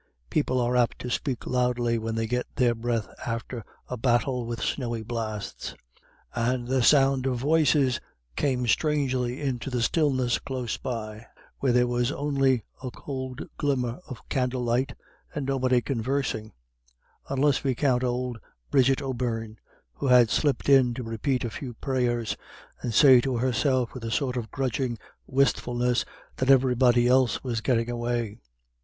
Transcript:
People are apt to speak loudly when they get their breath after a battle with snowy blasts; and the sound of voices came strangely into the stillness close by, where there was only a cold glimmer of candle light, and nobody conversing, unless we count old Bridget O'Beirne, who had slipped in to repeat a few prayers, and say to herself with a sort of grudging wistfulness that everybody else was getting away.